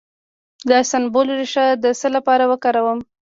د سنبل ریښه د څه لپاره وکاروم؟